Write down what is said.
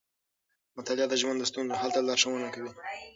مطالعه د ژوند د ستونزو حل ته لارښونه کوي.